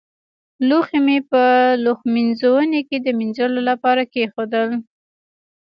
لوښي مې په لوښمینځوني کې د مينځلو لپاره کېښودل.